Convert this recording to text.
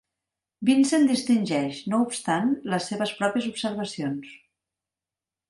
Vincent distingeix, no obstant, les seves pròpies observacions.